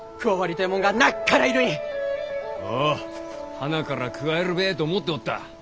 はなから加えるべえと思っておった。